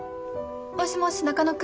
もしもし中野君？